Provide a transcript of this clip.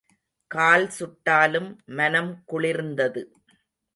கால் சுட்டாலும், மனம் குளிர்ந்தது.